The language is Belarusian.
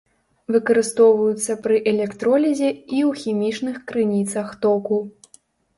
Выкарыстоўваюцца пры электролізе і ў хімічных крыніцах току.